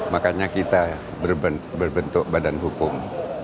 makanya kita berbentuk badan hukum